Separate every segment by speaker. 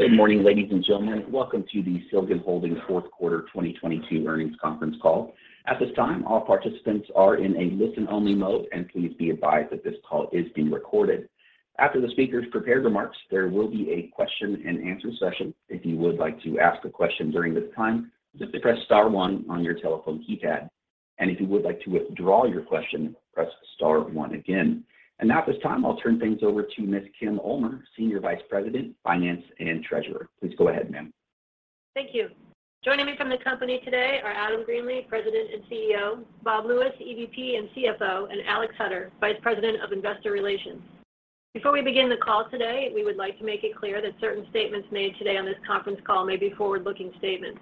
Speaker 1: Good morning, ladies and gentlemen. Welcome to the Silgan Holdings fourth quarter 2022 earnings conference call. At this time, all participants are in a listen-only mode, and please be advised that this call is being recorded. After the speakers' prepared remarks, there will be a question-and-answer session. If you would like to ask a question during this time, just press star one on your telephone keypad. If you would like to withdraw your question, press star one again. Now at this time, I'll turn things over to Ms. Kim Ulmer, Senior Vice President, Finance and Treasurer. Please go ahead, ma'am.
Speaker 2: Thank you. Joining me from the company today are Adam Greenlee, President and CEO; Bob Lewis, EVP and CFO; and Alex Hutter, Vice President of Investor Relations. Before we begin the call today, we would like to make it clear that certain statements made today on this conference call may be forward-looking statements.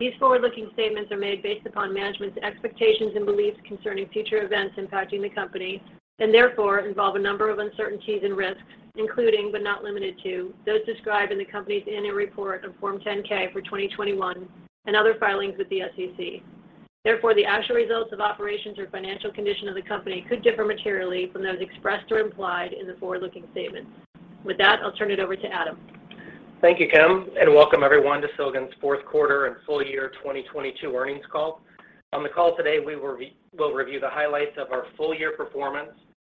Speaker 2: These forward-looking statements are made based upon management's expectations and beliefs concerning future events impacting the company, and therefore involve a number of uncertainties and risks, including but not limited to those described in the company's annual report on Form 10-K for 2021 and other filings with the SEC. The actual results of operations or financial condition of the company could differ materially from those expressed or implied in the forward-looking statements. With that, I'll turn it over to Adam.
Speaker 3: Thank you, Kim. Welcome everyone to Silgan's fourth quarter and full year 2022 earnings call. On the call today, we'll review the highlights of our full year performance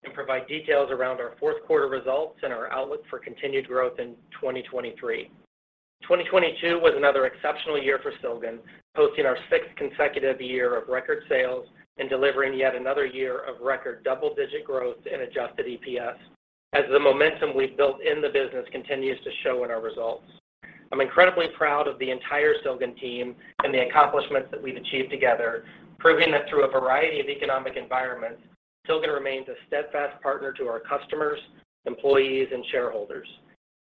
Speaker 3: and provide details around our fourth quarter results and our outlook for continued growth in 2023. 2022 was another exceptional year for Silgan, posting our sixth consecutive year of record sales and delivering yet another year of record double-digit growth in adjusted EPS as the momentum we've built in the business continues to show in our results. I'm incredibly proud of the entire Silgan team and the accomplishments that we've achieved together, proving that through a variety of economic environments, Silgan remains a steadfast partner to our customers, employees, and shareholders.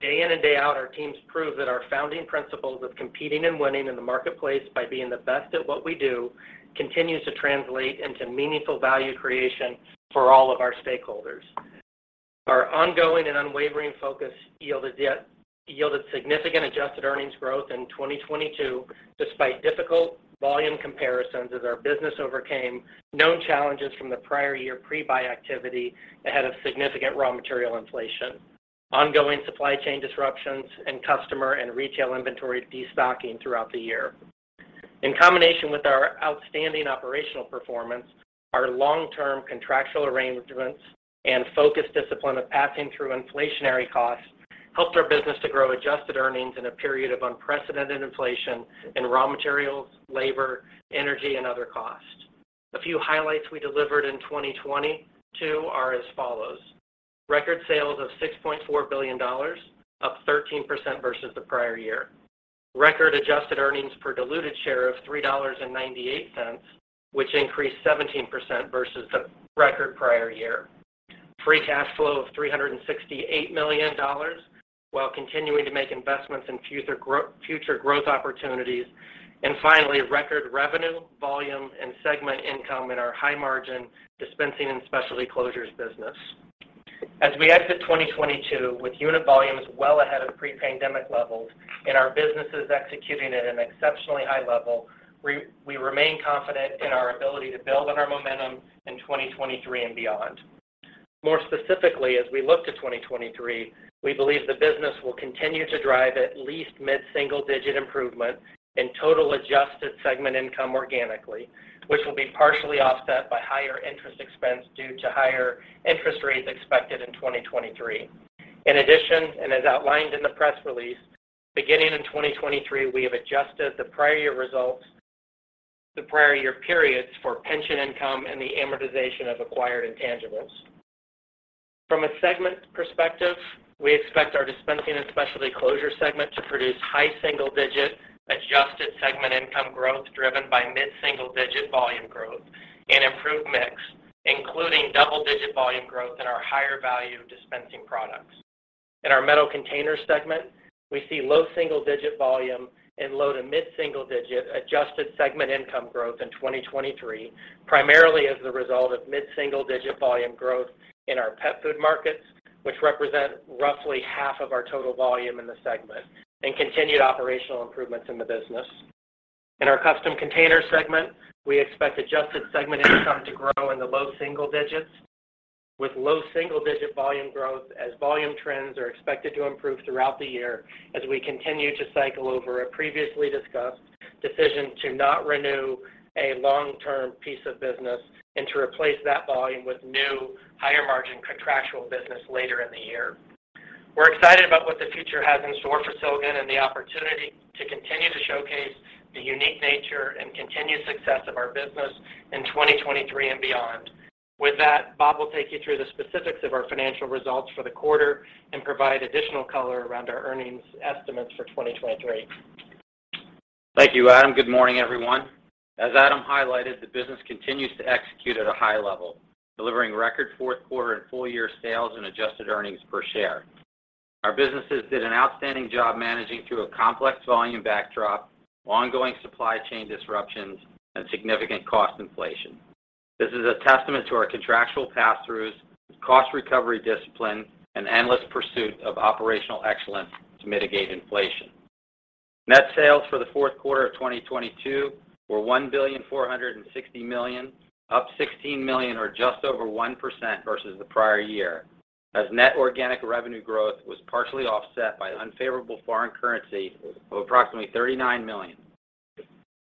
Speaker 3: Day in and day out, our teams prove that our founding principles of competing and winning in the marketplace by being the best at what we do continues to translate into meaningful value creation for all of our stakeholders. Our ongoing and unwavering focus yielded significant adjusted earnings growth in 2022 despite difficult volume comparisons as our business overcame known challenges from the prior year pre-buy activity ahead of significant raw material inflation, ongoing supply chain disruptions, and customer and retail inventory destocking throughout the year. In combination with our outstanding operational performance, our long-term contractual arrangements and focused discipline of passing through inflationary costs helped our business to grow adjusted earnings in a period of unprecedented inflation in raw materials, labor, energy, and other costs. A few highlights we delivered in 2022 are as follows: record sales of $6.4 billion, up 13% versus the prior year. Record adjusted earnings per diluted share of $3.98, which increased 17% versus the record prior year. Free cash flow of $368 million while continuing to make investments in future growth opportunities. Finally, record revenue, volume, and segment income in our high-margin Dispensing and Specialty Closures business. As we exit 2022 with unit volumes well ahead of pre-pandemic levels and our businesses executing at an exceptionally high level, we remain confident in our ability to build on our momentum in 2023 and beyond. More specifically, as we look to 2023, we believe the business will continue to drive at least mid-single-digit improvement in total adjusted segment income organically, which will be partially offset by higher interest expense due to higher interest rates expected in 2023. In addition, and as outlined in the press release, beginning in 2023, we have adjusted the prior year periods for pension income and the amortization of acquired intangibles. From a segment perspective, we expect our Dispensing and Specialty Closures segment to produce high single-digit adjusted segment income growth driven by mid-single-digit volume growth and improved mix, including double-digit volume growth in our higher value dispensing products. In our Metal Containers segment, we see low single-digit volume and low to mid-single digit adjusted segment income growth in 2023, primarily as the result of mid-single digit volume growth in our pet food markets, which represent roughly half of our total volume in the segment and continued operational improvements in the business. In our Custom Containers segment, we expect adjusted segment income to grow in the low single digits with low single-digit volume growth as volume trends are expected to improve throughout the year as we continue to cycle over a previously discussed decision to not renew a long-term piece of business and to replace that volume with new higher-margin contractual business later in the year. We're excited about what the future has in store for Silgan and the opportunity to continue to showcase the unique nature and continued success of our business in 2023 and beyond. With that, Bob will take you through the specifics of our financial results for the quarter and provide additional color around our earnings estimates for 2023.
Speaker 4: Thank you, Adam. Good morning, everyone. As Adam highlighted, the business continues to execute at a high level, delivering record fourth quarter and full-year sales and adjusted earnings per share. Our businesses did an outstanding job managing through a complex volume backdrop, ongoing supply chain disruptions, and significant cost inflation. This is a testament to our contractual pass-throughs, cost recovery discipline, and endless pursuit of operational excellence to mitigate inflation. Net sales for the fourth quarter of 2022 were $1.46 billion, up $16 million or just over 1% versus the prior year, as net organic revenue growth was partially offset by unfavorable foreign currency of approximately $39 million.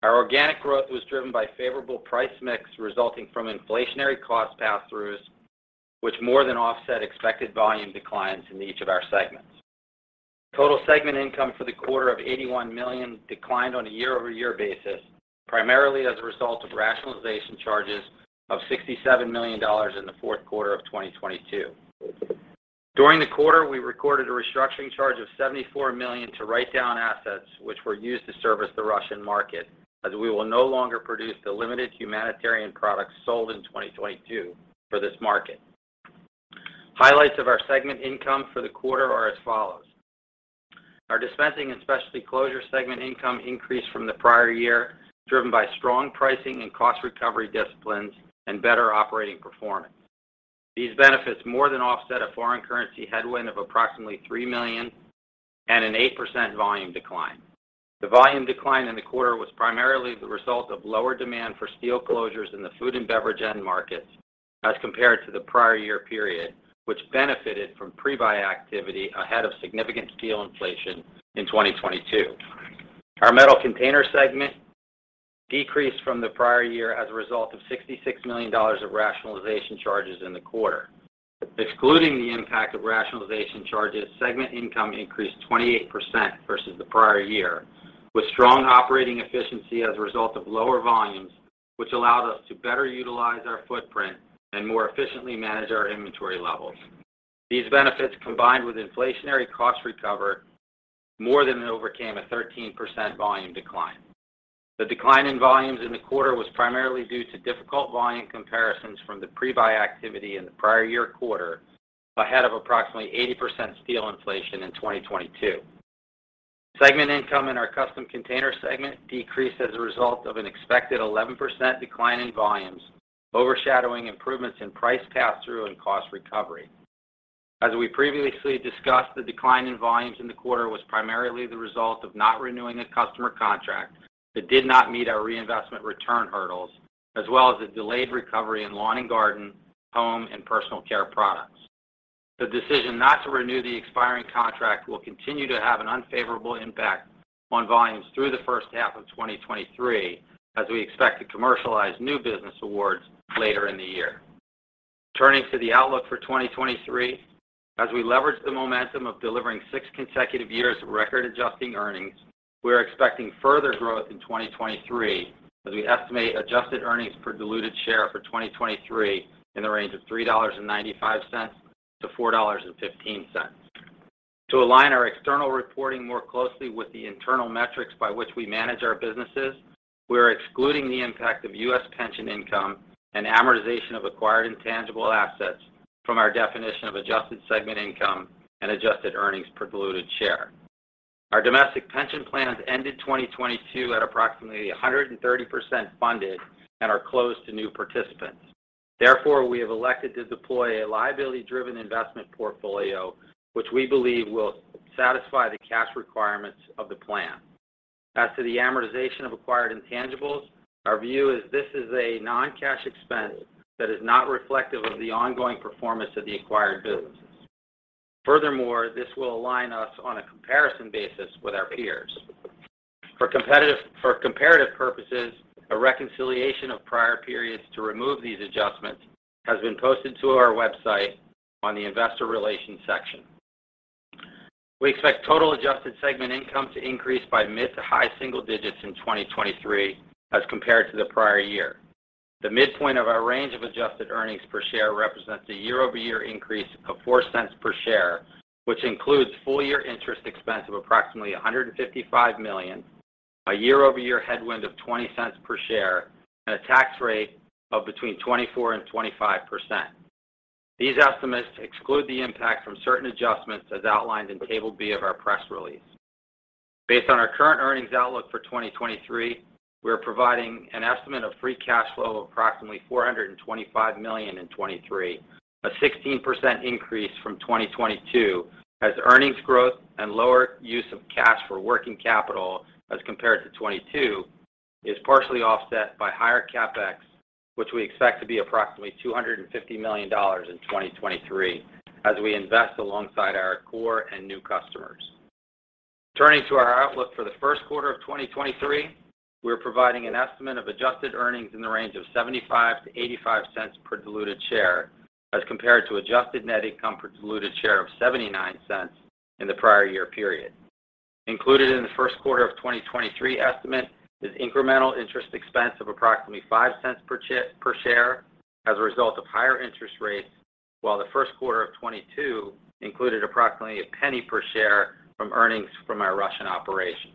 Speaker 4: Our organic growth was driven by favorable price mix resulting from inflationary cost pass-throughs, which more than offset expected volume declines in each of our segments. Total segment income for the quarter of 81 million declined on a year-over-year basis, primarily as a result of rationalization charges of $67 million in the fourth quarter of 2022. During the quarter, we recorded a restructuring charge of 74 million to write down assets which were used to service the Russian market, as we will no longer produce the limited humanitarian products sold in 2022 for this market. Highlights of our segment income for the quarter are as follows. Our Dispensing and Specialty Closures segment income increased from the prior year, driven by strong pricing and cost recovery disciplines and better operating performance. These benefits more than offset a foreign currency headwind of approximately 3 million and an 8% volume decline. The volume decline in the quarter was primarily the result of lower demand for steel closures in the food and beverage end markets as compared to the prior year period, which benefited from pre-buy activity ahead of significant steel inflation in 2022. Our Metal Containers segment decreased from the prior year as a result of $66 million of rationalization charges in the quarter. Excluding the impact of rationalization charges, segment income increased 28% versus the prior year, with strong operating efficiency as a result of lower volumes, which allowed us to better utilize our footprint and more efficiently manage our inventory levels. These benefits, combined with inflationary cost recovery, more than overcame a 13% volume decline. The decline in volumes in the quarter was primarily due to difficult volume comparisons from the pre-buy activity in the prior year quarter, ahead of approximately 80% steel inflation in 2022. Segment income in our Custom Containers segment decreased as a result of an expected 11% decline in volumes, overshadowing improvements in price pass-through and cost recovery. As we previously discussed, the decline in volumes in the quarter was primarily the result of not renewing a customer contract that did not meet our reinvestment return hurdles, as well as the delayed recovery in lawn and garden, home, and personal care products. The decision not to renew the expiring contract will continue to have an unfavorable impact on volumes through the first half of 2023, as we expect to commercialize new business awards later in the year. Turning to the outlook for 2023. As we leverage the momentum of delivering six consecutive years of record adjusted earnings, we are expecting further growth in 2023 as we estimate adjusted earnings per diluted share for 2023 in the range of 3.95-4.15. To align our external reporting more closely with the internal metrics by which we manage our businesses, we are excluding the impact of U.S. pension income and amortization of acquired intangible assets from our definition of adjusted segment income and adjusted earnings per diluted share. Our domestic pension plans ended 2022 at approximately 130% funded and are closed to new participants. We have elected to deploy a liability-driven investment portfolio, which we believe will satisfy the cash requirements of the plan. As to the amortization of acquired intangibles, our view is this is a non-cash expense that is not reflective of the ongoing performance of the acquired businesses. This will align us on a comparison basis with our peers. For comparative purposes, a reconciliation of prior periods to remove these adjustments has been posted to our website on the investor relations section. We expect total adjusted segment income to increase by mid to high single digits in 2023 as compared to the prior year. The midpoint of our range of adjusted earnings per share represents a year-over-year increase of $0.04 per share, which includes full year interest expense of approximately 155 million, a year-over-year headwind of 0.20 per share, and a tax rate of between 24% and 25%. These estimates exclude the impact from certain adjustments as outlined in Table B of our press release. Based on our current earnings outlook for 2023, we are providing an estimate of free cash flow of approximately 425 million in 2023, a 16% increase from 2022 as earnings growth and lower use of cash for working capital as compared to 2022 is partially offset by higher CapEx, which we expect to be approximately $250 million in 2023 as we invest alongside our core and new customers. Turning to our outlook for the first quarter of 2023, we are providing an estimate of adjusted earnings in the range of 0.75-0.85 per diluted share, as compared to adjusted net income per diluted share of 0.79 in the prior year period. Included in the first quarter of 2023 estimate is incremental interest expense of approximately 0.05 per share as a result of higher interest rates, while the first quarter of 2022 included approximately 0.01 per share from earnings from our Russian operations.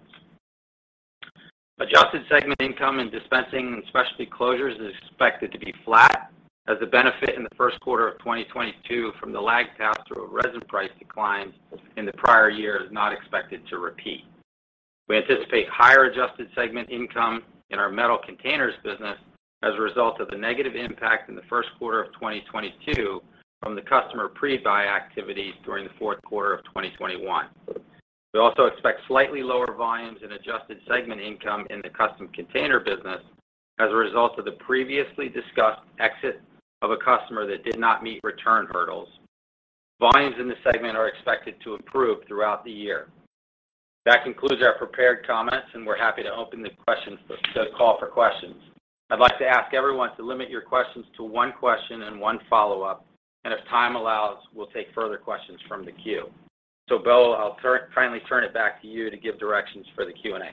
Speaker 4: adjusted segment income and Dispensing and Specialty Closures is expected to be flat as a benefit in the first quarter of 2022 from the lag pass-through of resin price declines in the prior year is not expected to repeat. We anticipate higher adjusted segment income in our Metal Containers business as a result of the negative impact in the first quarter of 2022 from the customer pre-buy activities during the fourth quarter of 2021. We also expect slightly lower volumes in adjusted segment income in the Custom Containers business as a result of the previously discussed exit of a customer that did not meet return hurdles. Volumes in this segment are expected to improve throughout the year. That concludes our prepared comments, and we're happy to open the call for questions. I'd like to ask everyone to limit your questions to one question and one follow-up, and if time allows, we'll take further questions from the queue. Bill, I'll finally turn it back to you to give directions for the Q&A.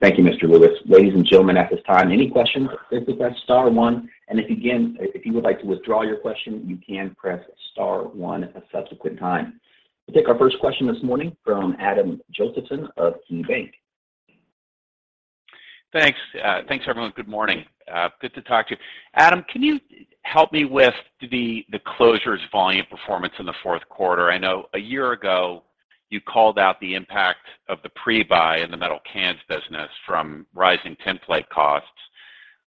Speaker 1: Thank you, Mr. Lewis. Ladies and gentlemen, at this time, any questions, please press star one. If, again, if you would like to withdraw your question, you can press star one a subsequent time. We'll take our first question this morning from Adam Josephson of KeyBanc.
Speaker 5: Thanks. Thanks everyone. Good morning. Good to talk to you. Adam, can you help me with the Closures volume performance in the fourth quarter? I know a year ago, you called out the impact of the pre-buy in the Metal Containers business from rising tinplate costs.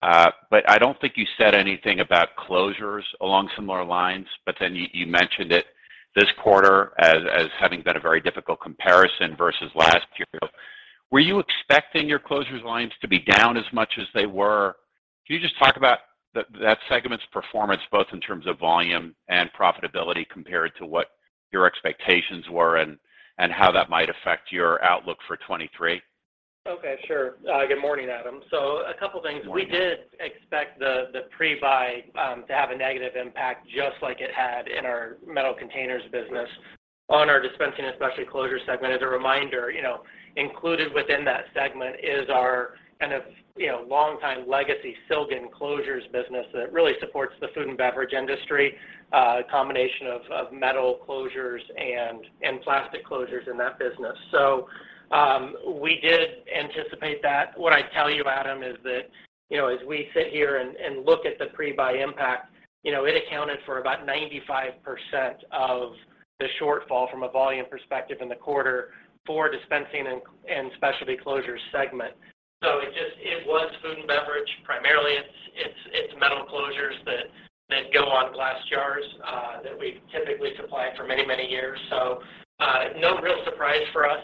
Speaker 5: I don't think you said anything about Closures along similar lines, but then you mentioned it this quarter as having been a very difficult comparison versus last year. Were you expecting your Closures lines to be down as much as they were? Can you just talk about that segment's performance, both in terms of volume and profitability compared to what your expectations were and how that might affect your outlook for 23?
Speaker 3: Okay, sure. Good morning, Adam. A couple things.
Speaker 5: Morning.
Speaker 3: We did expect the pre-buy to have a negative impact just like it had in our Metal Containers business. On our Dispensing and Specialty Closures segment, as a reminder, you know, included within that segment is our kind of, you know, longtime legacy Silgan closures business that really supports the food and beverage industry, combination of metal closures and plastic closures in that business. We did anticipate that. What I'd tell you, Adam, is that, you know, as we sit here and look at the pre-buy impact, you know, it accounted for about 95% of the shortfall from a volume perspective in the quarter for Dispensing and Specialty Closures segment. It was food and beverage. Primarily, it's metal closures that go on glass jars that we've typically supplied for many years. No real surprise for us.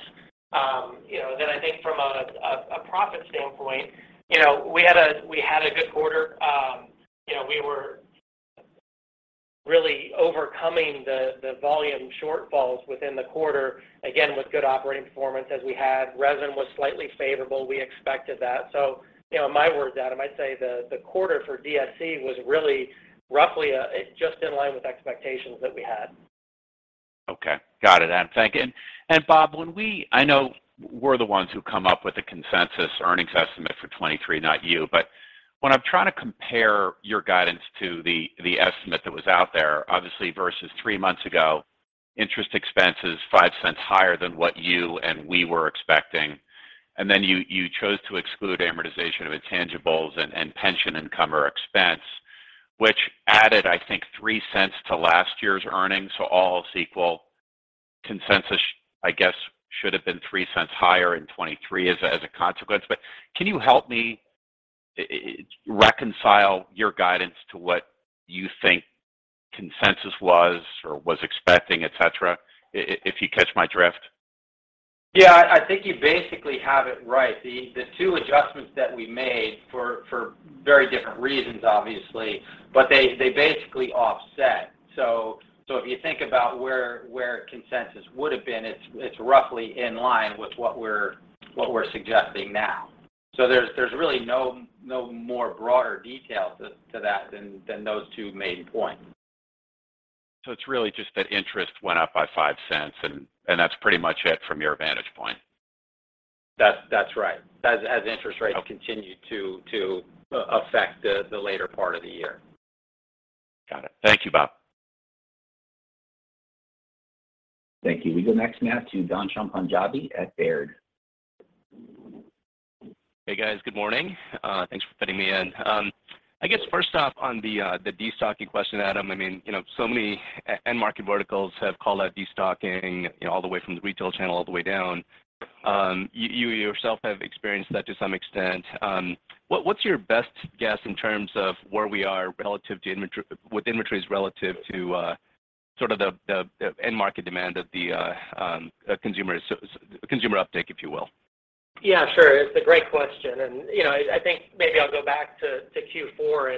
Speaker 3: You know, I think from a profit standpoint, you know, we had a good quarter. You know, we were really overcoming the volume shortfalls within the quarter, again, with good operating performance as we had. Resin was slightly favorable. We expected that. You know, in my words, Adam, I'd say the quarter for DSC was really roughly just in line with expectations that we had.
Speaker 5: Okay. Got it, Adam. Thank you. Bob, I know we're the ones who come up with the consensus earnings estimate for 2023, not you, but when I'm trying to compare your guidance to the estimate that was out there, obviously versus three months ago, interest expense is 0.05 higher than what you and we were expecting. Then you chose to exclude amortization of intangibles and pension income or expense, which added, I think, 0.03 to last year's earnings. All else equal, consensus, I guess, should have been $0.03 higher in 2023 as a, as a consequence. Can you help me reconcile your guidance to what you think consensus was or was expecting, et cetera, if you catch my drift?
Speaker 4: Yeah. I think you basically have it right. The two adjustments that we made for very different reasons, obviously, but they basically offset. If you think about where consensus would have been, it's roughly in line with what we're suggesting now. There's really no more broader detail to that than those two main points.
Speaker 5: It's really just that interest went up by 0.05, and that's pretty much it from your vantage point.
Speaker 4: That's right. As interest rates.
Speaker 5: Okay...
Speaker 4: continue to affect the later part of the year.
Speaker 5: Got it. Thank you, Bob.
Speaker 1: Thank you. We go next now to Ghansham Panjabi at Baird.
Speaker 6: Hey, guys. Good morning. Thanks for fitting me in. I guess first off, on the destocking question, Adam, I mean, you know, so many end market verticals have called out destocking, you know, all the way from the retail channel all the way down. You yourself have experienced that to some extent. What's your best guess in terms of where we are relative to with inventories relative to sort of the end market demand of the consumer uptake, if you will?
Speaker 3: Yeah, sure. It's a great question. you know, I think maybe I'll go back to Q4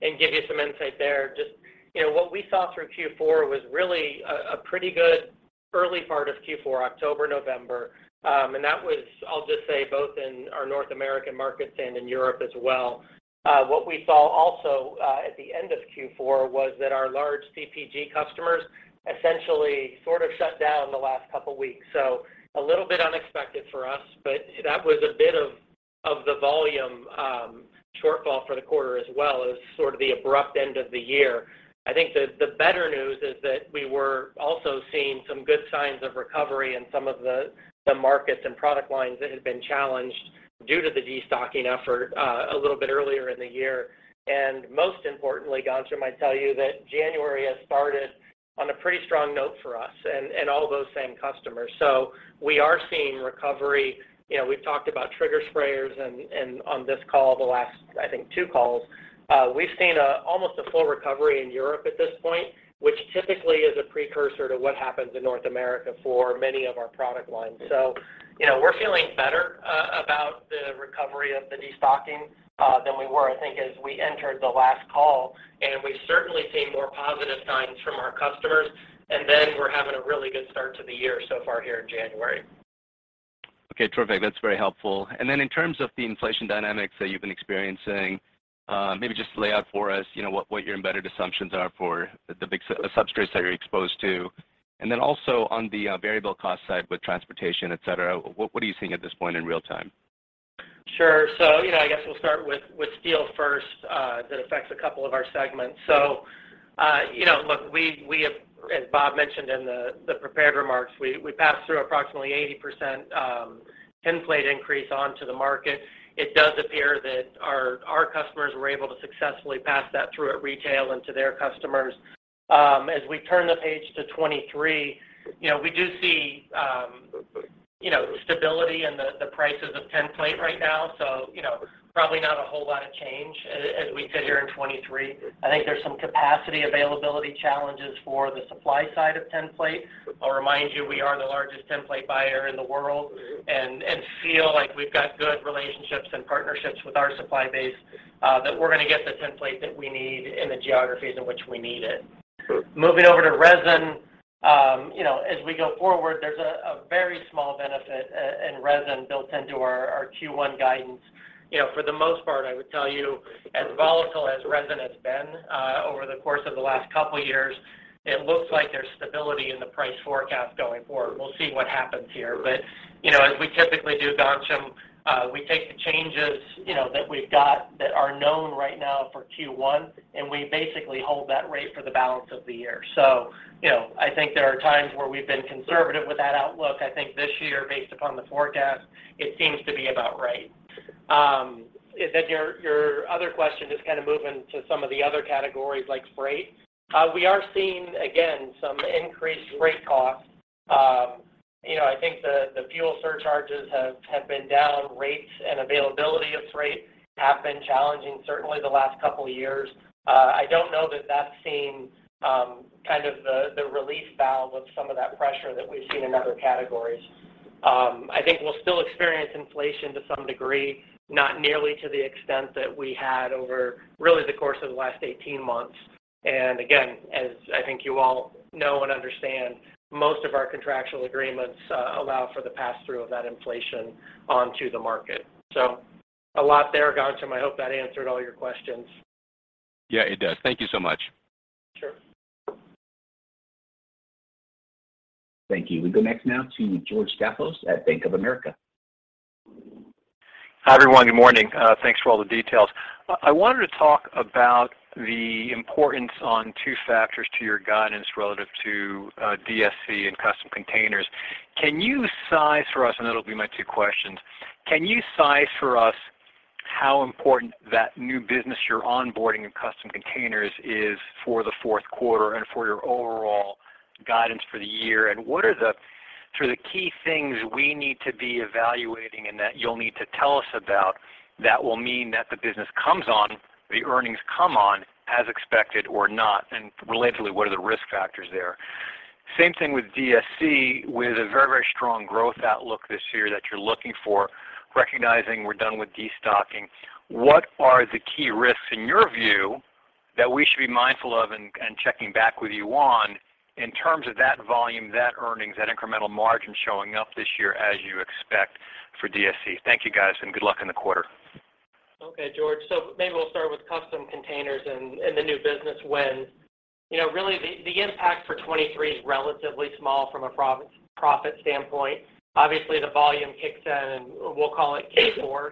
Speaker 3: and give you some insight there. Just, you know, what we saw through Q4 was really a pretty good early part of Q4, October, November. That was, I'll just say, both in our North American markets and in Europe as well. What we saw also at the end of Q4 was that our large CPG customers essentially sort of shut down the last couple weeks. A little bit unexpected for us, but that was a bit of the volume shortfall for the quarter as well as sort of the abrupt end of the year. I think the better news is that we were also seeing some good signs of recovery in some of the markets and product lines that have been challenged due to the destocking effort, a little bit earlier in the year. Most importantly, Ghansham, I'd tell you that January has started on a pretty strong note for us and all those same customers. We are seeing recovery. You know, we've talked about trigger sprayers and on this call, the last, I think, two calls. We've seen almost a full recovery in Europe at this point, which typically is a precursor to what happens in North America for many of our product lines. you know, we're feeling better about the recovery of the destocking than we were, I think, as we entered the last call, and we've certainly seen more positive signs from our customers. We're having a really good start to the year so far here in January.
Speaker 6: Okay, terrific. That's very helpful. In terms of the inflation dynamics that you've been experiencing, maybe just lay out for us, you know, what your embedded assumptions are for the big substrates that you're exposed to. Also on the variable cost side with transportation, et cetera, what are you seeing at this point in real-time?
Speaker 3: Sure. You know, I guess we'll start with steel first, that affects a couple of our segments. You know, look, as Bob mentioned in the prepared remarks, we passed through approximately 80% tinplate increase onto the market. It does appear that our customers were able to successfully pass that through at retail and to their customers. As we turn the page to 2023, you know, we do see, you know, stability in the prices of tinplate right now, so, you know, probably not a whole lot of change as we sit here in 2023. I think there's some capacity availability challenges for the supply side of tinplate. I'll remind you, we are the largest tinplate buyer in the world and feel like we've got good relationships and partnerships with our supply base, that we're going to get the tinplate that we need in the geographies in which we need it.
Speaker 6: Sure.
Speaker 3: Moving over to resin, you know, as we go forward, there's a very small benefit in resin built into our Q1 guidance. You know, for the most part, I would tell you, as volatile as resin has been, over the course of the last couple years, it looks like there's stability in the price forecast going forward. We'll see what happens here. You know, as we typically do, Ghansham, we take the changes, you know, that we've got that are known right now for Q1, and we basically hold that rate for the balance of the year. You know, I think there are times where we've been conservative with that outlook. I think this year, based upon the forecast, it seems to be about right. Your other question, just kind of moving to some of the other categories like freight. We are seeing, again, some increased freight costs. You know, I think the fuel surcharges have been down. Rates and availability of freight have been challenging, certainly the last couple years. I don't know that that's seen kind of the relief valve of some of that pressure that we've seen in other categories. I think we'll still experience inflation to some degree, not nearly to the extent that we had over really the course of the last 18 months. As I think you all know and understand, most of our contractual agreements allow for the pass-through of that inflation onto the market. A lot there, Ghansham. I hope that answered all your questions.
Speaker 6: Yeah, it does. Thank you so much.
Speaker 3: Sure.
Speaker 1: Thank you. We go next now to George Staphos at Bank of America.
Speaker 7: Hi, everyone. Good morning. Thanks for all the details. I wanted to talk about the importance on two factors to your guidance relative to DSC and custom containers. Can you size for us. That'll be my two questions. Can you size for us how important that new business you're onboarding in custom containers is for the fourth quarter and for your overall guidance for the year? What are the, sort of key things we need to be evaluating and that you'll need to tell us about that will mean that the business comes on, the earnings come on as expected or not? Relatedly, what are the risk factors there? Same thing with DSC. With a very, very strong growth outlook this year that you're looking for, recognizing we're done with destocking, what are the key risks in your view that we should be mindful of and checking back with you on in terms of that volume, that earnings, that incremental margin showing up this year as you expect for DSC? Thank you, guys, and good luck in the quarter.
Speaker 3: Okay, George. Maybe we'll start with Custom Containers and the new business wins. You know, really, the impact for 2023 is relatively small from a profit standpoint. Obviously, the volume kicks in, we'll call it Q4.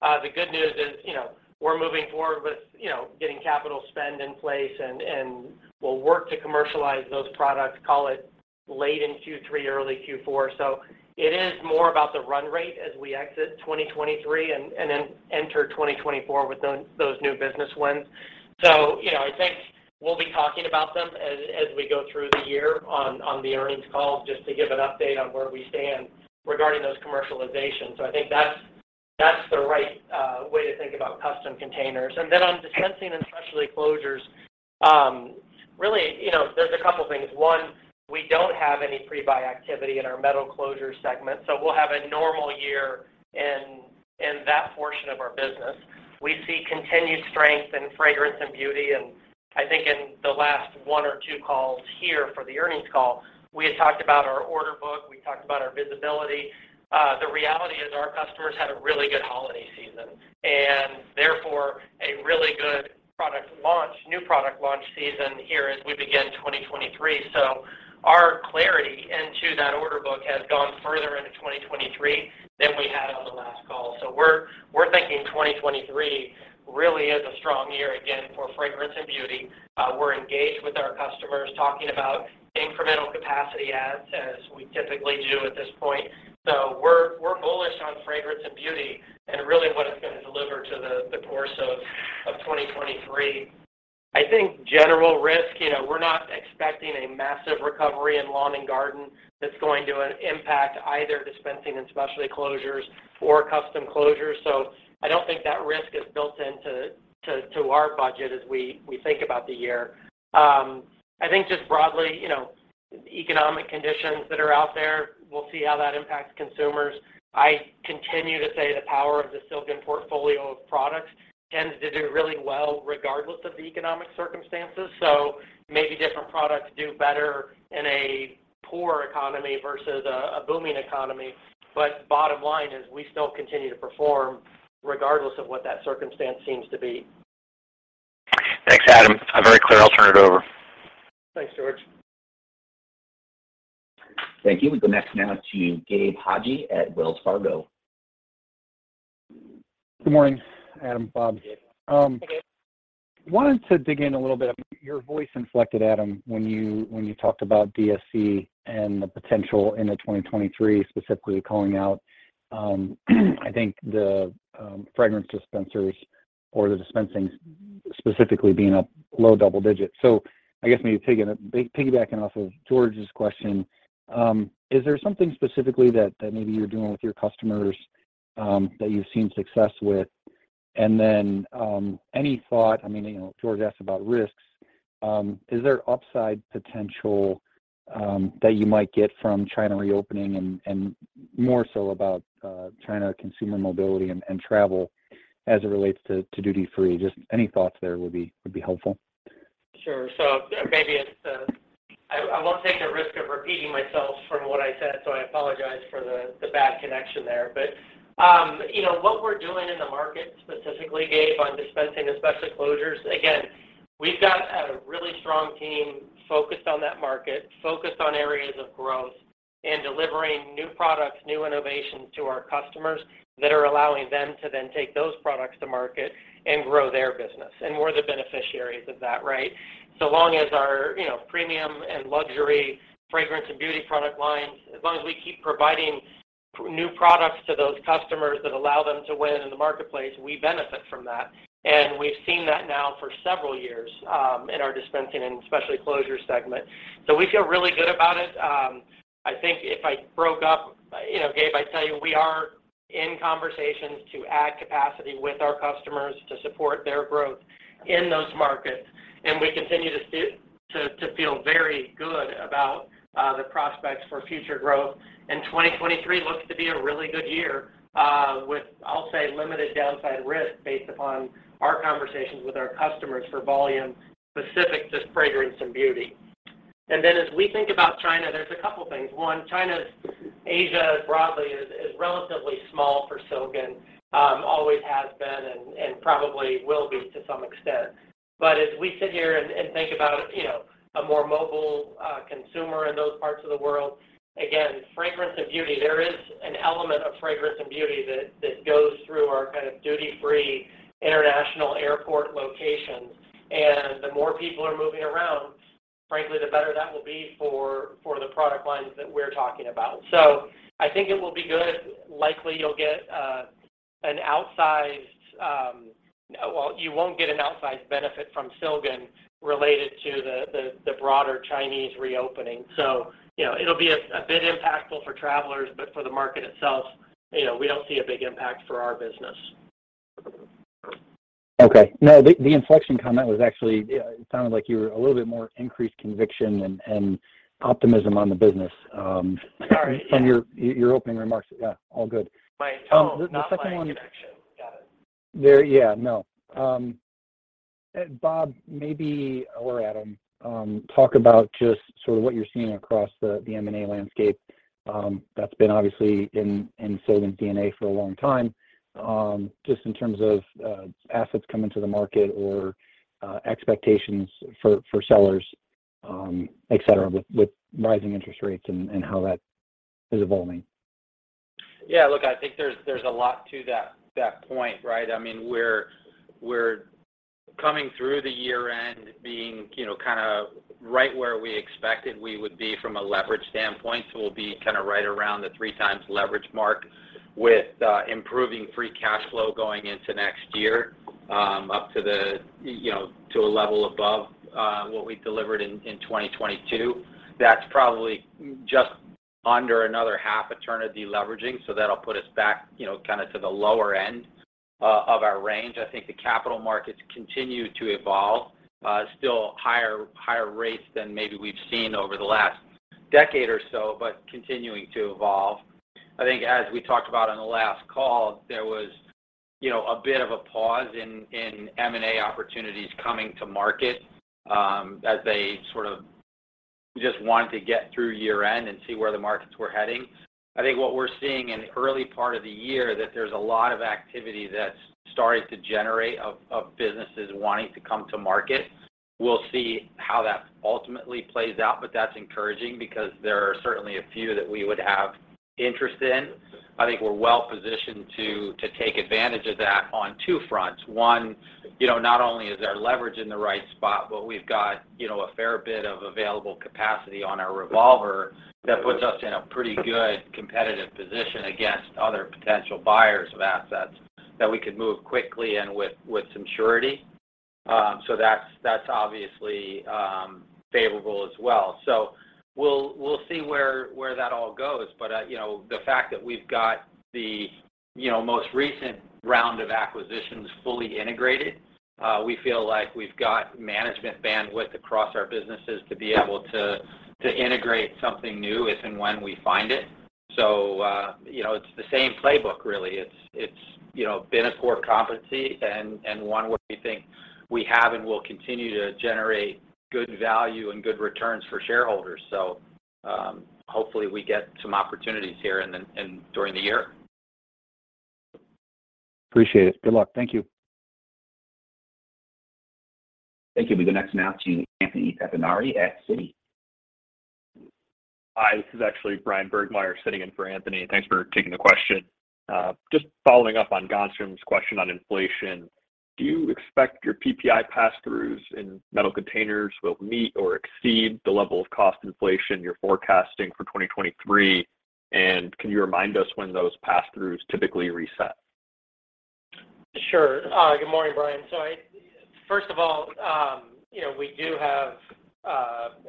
Speaker 3: The good news is, you know, we're moving forward with, you know, getting capital spend in place and we'll work to commercialize those products, call it late in Q3, early Q4. It is more about the run rate as we exit 2023 and then enter 2024 with those new business wins. I think we'll be talking about them as we go through the year on the earnings call just to give an update on where we stand regarding those commercializations. I think that's the right way to think about Custom Containers. On Dispensing and Specialty Closures, you know, there's a couple things. One, we don't have any pre-buy activity in our metal closure segment, so we'll have a normal year in that portion of our business. We see continued strength in fragrance and beauty, and I think in the last one or two calls here for the earnings call, we had talked about our order book. We talked about our visibility. The reality is our customers had a really good holiday season and therefore a really good product launch, new product launch season here as we begin 2023. Our clarity into that order book has gone further into 2023 than we had on the last call. We're thinking 2023 really is a strong year again for fragrance and beauty. We're engaged with our customers, talking about incremental capacity adds, as we typically do at this point. We're bullish on fragrance and beauty and really what it's going to deliver to the course of 2023. I think general risk, you know, we're not expecting a massive recovery in lawn and garden that's going to impact either Dispensing and Specialty Closures or Custom Closures. I don't think that risk is built into our budget as we think about the year. I think just broadly, you know, economic conditions that are out there, we'll see how that impacts consumers. I continue to say the power of the Silgan portfolio of products tends to do really well regardless of the economic circumstances. Maybe different products do better in a poor economy versus a booming economy. Bottom line is we still continue to perform regardless of what that circumstance seems to be.
Speaker 7: Thanks, Adam. Very clear. I'll turn it over.
Speaker 3: Thanks, George.
Speaker 1: Thank you. The next now to Gabe Hajde at Wells Fargo.
Speaker 8: Good morning, Adam, Bob.
Speaker 3: Hey, Gabe.
Speaker 8: Wanted to dig in a little bit. Your voice inflected, Adam Greenlee, when you, when you talked about DSC and the potential into 2023, specifically calling out, I think the fragrance dispensers or the dispensing specifically being a low double-digit. I guess maybe piggybacking off of George's question, is there something specifically that maybe you're doing with your customers, that you've seen success with? I mean, you know, George asked about risks. Is there upside potential that you might get from China reopening and more so about China consumer mobility and travel as it relates to duty-free? Just any thoughts there would be helpful.
Speaker 3: Sure. I won't take the risk of repeating myself from what I said, I apologize for the bad connection there. you know, what we're doing in the market specifically, Gabe, on Dispensing and Specialty Closures, again, we've got a really strong team focused on that market, focused on areas of growth and delivering new products, new innovations to our customers that are allowing them to then take those products to market and grow their business. We're the beneficiaries of that, right? Long as our, you know, premium and luxury fragrance and beauty product lines, as long as we keep providing new products to those customers that allow them to win in the marketplace, we benefit from that. We've seen that now for several years in our Dispensing and Specialty Closures segment. We feel really good about it. I think if I broke up, you know, Gabe, I'd tell you we are in conversations to add capacity with our customers to support their growth in those markets. We continue to feel very good about the prospects for future growth, and 2023 looks to be a really good year with, I'll say, limited downside risk based upon our conversations with our customers for volume specific to fragrance and beauty. As we think about China, there's a couple things. One, China, Asia broadly is relatively small for Silgan, always has been and probably will be to some extent. As we sit here and think about, you know, a more mobile consumer in those parts of the world, again, fragrance and beauty, there is an element of fragrance and beauty that goes through our kind of duty-free international airport locations. The more people are moving around, frankly, the better that will be for the product lines that we're talking about. I think it will be good. Likely you'll get an outsized. Well, you won't get an outsized benefit from Silgan related to the broader Chinese reopening. You know, it'll be a bit impactful for travelers. For the market itself, you know, we don't see a big impact for our business.
Speaker 8: Okay. No, the inflection comment was actually, it sounded like you were a little bit more increased conviction and optimism on the business.
Speaker 3: Sorry, yeah.
Speaker 8: from your opening remarks. Yeah, all good.
Speaker 3: My tone, not my connection.
Speaker 8: The second one.
Speaker 3: Got it.
Speaker 8: Yeah, no. Bob, or Adam, talk about just sort of what you're seeing across the M and A landscape, that's been obviously in Silgan's DNA for a long time, just in terms of assets coming to the market or expectations for sellers, et cetera, with rising interest rates and how that is evolving.
Speaker 3: Yeah, look, I think there's a lot to that point, right? I mean, we're coming through the year end being, you know, kind of right where we expected we would be from a leverage standpoint. We'll be kind of right around the 3x leverage mark with improving Free Cash Flow going into next year, up to the, you know, to a level above what we delivered in 2022. That's probably just under another half a turn of deleveraging, that'll put us back, you know, kind of to the lower end of our range. I think the capital markets continue to evolve. Still higher rates than maybe we've seen over the last decade or so, continuing to evolve. I think as we talked about on the last call, there was, you know, a bit of a pause in M and A opportunities coming to market, as they sort of just wanted to get through year-end and see where the markets were heading. I think what we're seeing in early part of the year that there's a lot of activity that's started to generate of businesses wanting to come to market. We'll see how that ultimately plays out, but that's encouraging because there are certainly a few that we would have interest in. I think we're well positioned to take advantage of that on two fronts. you know, not only is our leverage in the right spot, but we've got, you know, a fair bit of available capacity on our revolver that puts us in a pretty good competitive position against other potential buyers of assets that we could move quickly and with some surety.
Speaker 4: That's, that's obviously, favorable as well. We'll see where that all goes. You know, the fact that we've got the, you know, most recent round of acquisitions fully integrated, we feel like we've got management bandwidth across our businesses to be able to integrate something new if and when we find it. You know, it's the same playbook really. It's, you know, been a core competency and one we think we have and will continue to generate good value and good returns for shareholders. Hopefully we get some opportunities here in during the year.
Speaker 1: Appreciate it. Good luck. Thank you. Thank you. We go next now to Anthony Pettinari at Citi.
Speaker 9: Hi, this is actually Bryan Burgmeier sitting in for Anthony. Thanks for taking the question. just following up on Ghansham's question on inflation, do you expect your PPI pass-throughs in Metal Containers will meet or exceed the level of cost inflation you're forecasting for 2023? Can you remind us when those pass-throughs typically reset?
Speaker 3: Sure. good morning, Bryan. first of all, you know, we do have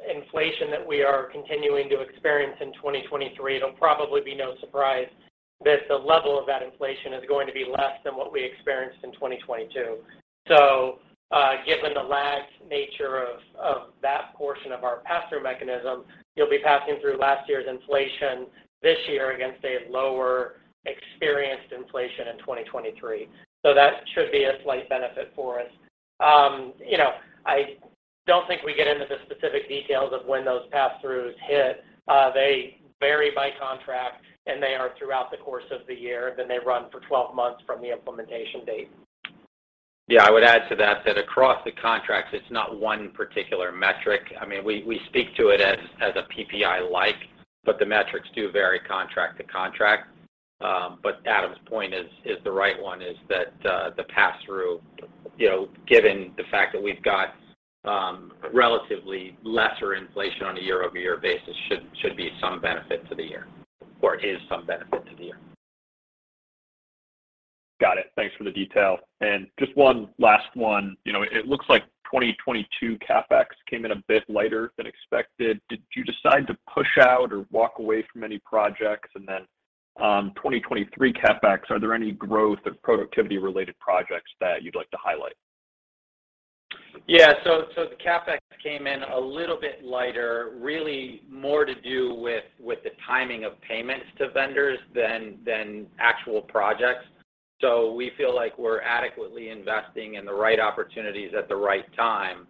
Speaker 3: inflation that we are continuing to experience in 2023. It'll probably be no surprise that the level of that inflation is going to be less than what we experienced in 2022. given the lagged nature of that portion of our pass-through mechanism, you'll be passing through last year's inflation this year against a lower experienced inflation in 2023. That should be a slight benefit for us. you know, I don't think we get into the specific details of when those pass-throughs hit. They vary by contract, and they are throughout the course of the year. They run for 12 months from the implementation date.
Speaker 4: Yeah. I would add to that across the contracts, it's not one particular metric. I mean, we speak to it as a PPI like, but the metrics do vary contract to contract. Adam's point is the right one, is that the pass-through, you know, given the fact that we've got relatively lesser inflation on a year-over-year basis should be some benefit to the year, or is some benefit to the year.
Speaker 9: Got it. Thanks for the detail. Just one last one. You know, it looks like 2022 CapEx came in a bit lighter than expected. Did you decide to push out or walk away from any projects? 2023 CapEx, are there any growth or productivity related projects that you'd like to highlight?
Speaker 4: Yeah. The CapEx came in a little bit lighter, really more to do with the timing of payments to vendors than actual projects. We feel like we're adequately investing in the right opportunities at the right time.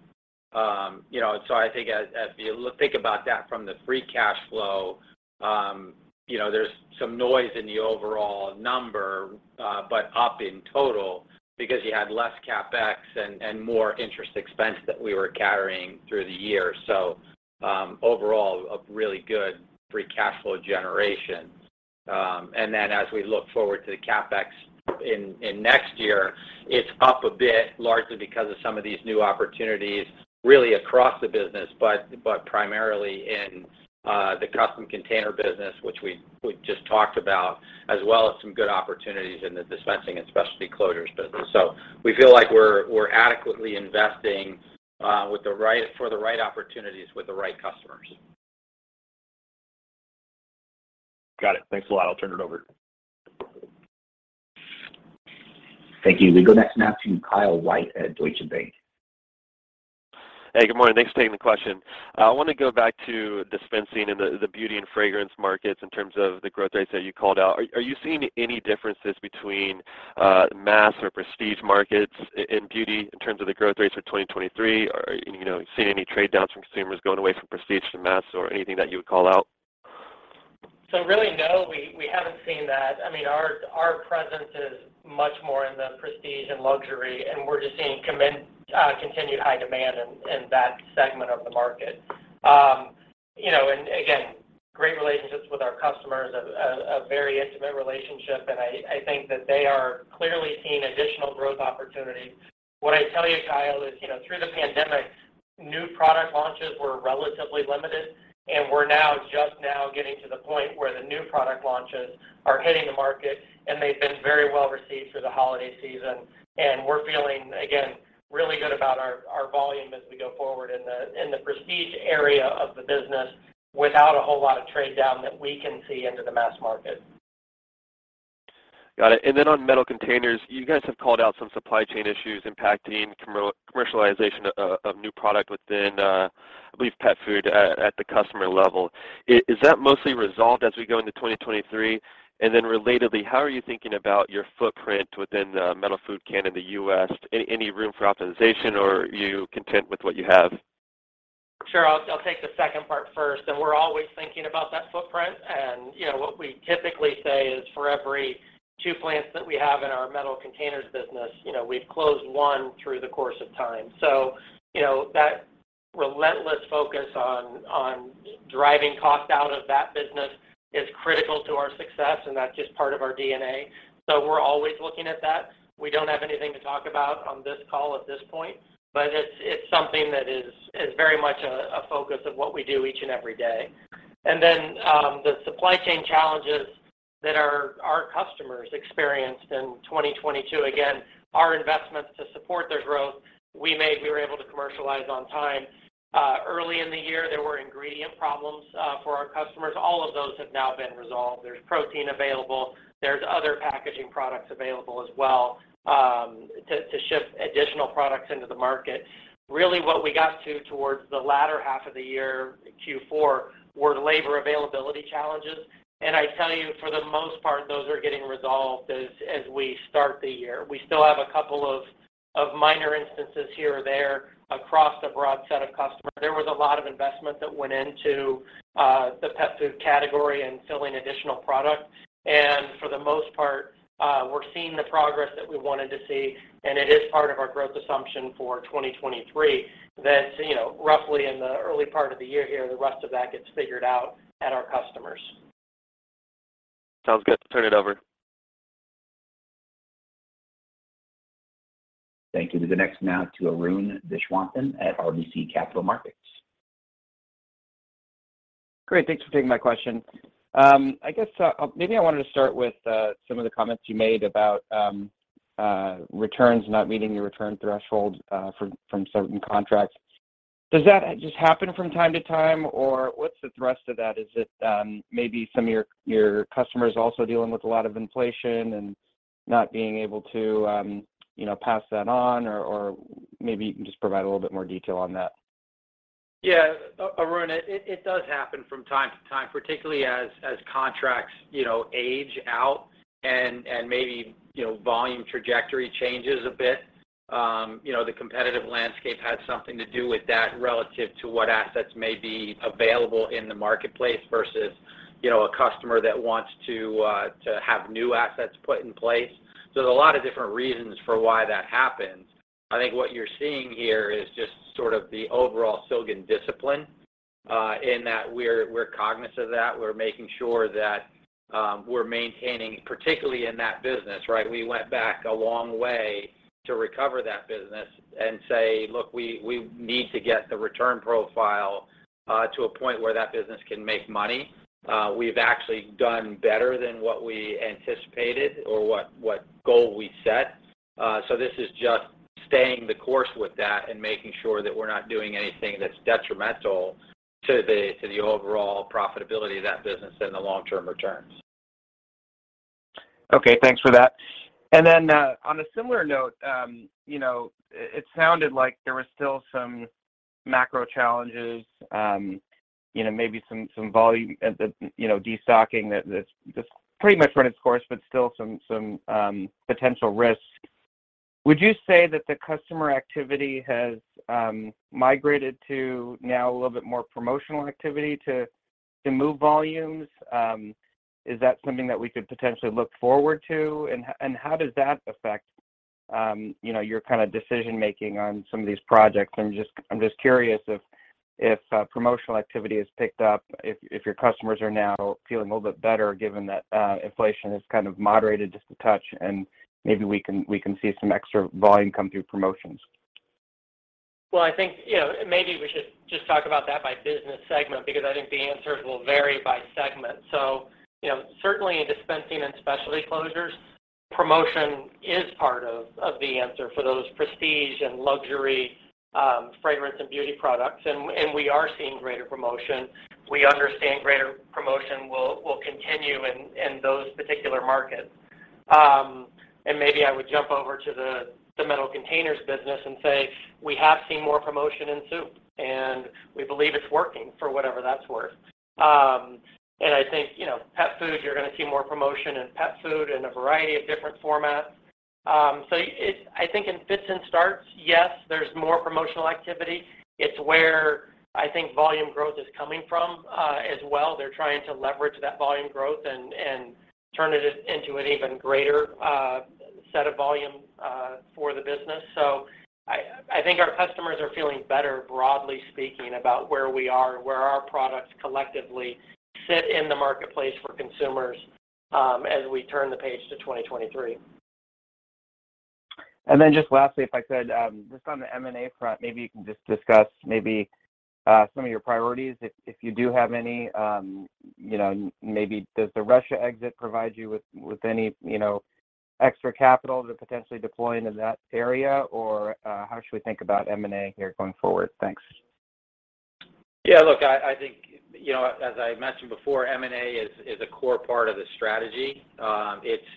Speaker 4: you know, I think as we think about that from the free cash flow, you know, there's some noise in the overall number, but up in total because you had less CapEx and more interest expense that we were carrying through the year. Overall, a really good free cash flow generation. Then as we look forward to the CapEx in next year, it's up a bit largely because of some of these new opportunities really across the business, but primarily in the Custom Containers business, which we just talked about, as well as some good opportunities in the Dispensing and Specialty Closures business. We feel like we're adequately investing for the right opportunities with the right customers.
Speaker 9: Got it. Thanks a lot. I'll turn it over.
Speaker 1: Thank you. We go next now to Kyle White at Deutsche Bank.
Speaker 10: Hey, good morning. Thanks for taking the question. I want to go back to dispensing in the beauty and fragrance markets in terms of the growth rates that you called out. Are you seeing any differences between mass or prestige markets in beauty in terms of the growth rates for 2023? You know, seeing any trade downs from consumers going away from prestige to mass or anything that you would call out?
Speaker 3: Really, no, we haven't seen that. Our presence is much more in the prestige and luxury, we're just seeing continued high demand in that segment of the market. You know, again, great relationships with our customers, a very intimate relationship, and I think that they are clearly seeing additional growth opportunities. What I'd tell you, Kyle, is, you know, through the pandemic, new product launches were relatively limited, we're now just now getting to the point where the new product launches are hitting the market, and they've been very well received through the holiday season. We're feeling, again, really good about our volume as we go forward in the prestige area of the business without a whole lot of trade down that we can see into the mass market.
Speaker 10: Got it. On Metal Containers, you guys have called out some supply chain issues impacting commercialization of new product within, I believe pet food at the customer level. Is that mostly resolved as we go into 2023? Relatedly, how are you thinking about your footprint within the metal food can in the U.S.? Any room for optimization, or are you content with what you have?
Speaker 3: Sure. I'll take the second part first, we're always thinking about that footprint. You know, what we typically say is for every two plants that we have in our Metal Containers business, you know, we've closed one through the course of time. You know, that relentless focus on driving cost out of that business is critical to our success, and that's just part of our DNA. We're always looking at that. We don't have anything to talk about on this call at this point, but it's something that is very much a focus of what we do each and every day. Then, the supply chain challenges that our customers experienced in 2022. Again, our investments to support their growth we made, we were able to commercialize on time. Early in the year, there were ingredient problems for our customers. All of those have now been resolved. There's protein available, there's other packaging products available as well, to ship additional products into the market. Really, what we got to towards the latter half of the year, Q4, were labor availability challenges. I tell you, for the most part, those are getting resolved as we start the year. We still have a couple of minor instances here or there across a broad set of customers. There was a lot of investment that went into the pet food category and filling additional product. For the most part, we're seeing the progress that we wanted to see, and it is part of our growth assumption for 2023 that, you know, roughly in the early part of the year here, the rest of that gets figured out at our customers.
Speaker 10: Sounds good. Turn it over.
Speaker 1: Thank you. To the next now to Arun Viswanathan at RBC Capital Markets.
Speaker 11: Great. Thanks for taking my question. I guess maybe I wanted to start with some of the comments you made about returns not meeting your return threshold from certain contracts. Does that just happen from time to time, or what's the thrust of that? Is it maybe some of your customers also dealing with a lot of inflation and not being able to, you know, pass that on? Or maybe you can just provide a little bit more detail on that.
Speaker 3: Yeah. Arun, it does happen from time to time, particularly as contracts, you know, age out and maybe, you know, volume trajectory changes a bit. You know, the competitive landscape has something to do with that relative to what assets may be available in the marketplace versus, you know, a customer that wants to have new assets put in place. There's a lot of different reasons for why that happens. I think what you're seeing here is just sort of the overall Silgan discipline, in that we're cognizant of that. We're making sure that we're maintaining, particularly in that business, right? We went back a long way to recover that business and say, "Look, we need to get the return profile to a point where that business can make money." We've actually done better than what we anticipated or what goal we set. This is just staying the course with that and making sure that we're not doing anything that's detrimental to the overall profitability of that business and the long-term returns.
Speaker 11: Okay. Thanks for that. On a similar note, you know, it sounded like there was still some macro challenges, you know, maybe some volume, you know, destocking that's pretty much run its course, but still some potential risks. Would you say that the customer activity has migrated to now a little bit more promotional activity to move volumes? Is that something that we could potentially look forward to? How does that affect, you know, your kind of decision-making on some of these projects? I'm just curious if promotional activity has picked up, if your customers are now feeling a little bit better given that inflation has kind of moderated just a touch, and maybe we can see some extra volume come through promotions.
Speaker 3: Well, I think, you know, maybe we should just talk about that by business segment, because I think the answers will vary by segment. You know, certainly in Dispensing and Specialty Closures, promotion is part of the answer for those prestige and luxury fragrance and beauty products. We are seeing greater promotion. We understand greater promotion will continue in those particular markets. Maybe I would jump over to the Metal Containers business and say we have seen more promotion in soup, and we believe it's working for whatever that's worth. I think, you know, pet food, you're going to see more promotion in pet food in a variety of different formats. I think in fits and starts, yes, there's more promotional activity. It's where I think volume growth is coming from as well. They're trying to leverage that volume growth and turn it into an even greater set of volume for the business. I think our customers are feeling better, broadly speaking, about where we are and where our products collectively sit in the marketplace for consumers as we turn the page to 2023.
Speaker 11: Just lastly, if I could, just on the M and A front, maybe you can just discuss maybe, some of your priorities, if you do have any. You know, maybe does the Russia exit provide you with any, you know, extra capital to potentially deploy into that area? How should we think about M and A here going forward? Thanks.
Speaker 3: Look, I think, you know, as I mentioned before, M and A is a core part of the strategy.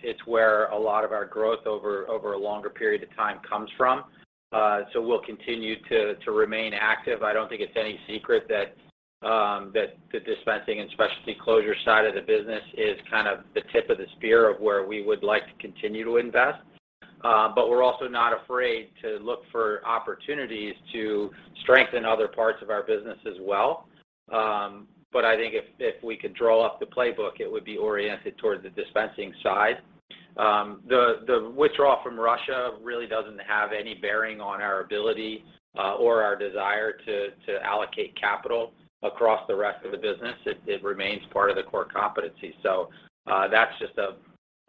Speaker 3: It's where a lot of our growth over a longer period of time comes from. We'll continue to remain active. I don't think it's any secret that the Dispensing and Specialty Closures side of the business is kind of the tip of the spear of where we would like to continue to invest. We're also not afraid to look for opportunities to strengthen other parts of our business as well. I think if we could draw up the playbook, it would be oriented towards the dispensing side. The withdrawal from Russia really doesn't have any bearing on our ability or our desire to allocate capital across the rest of the business. It remains part of the core competency.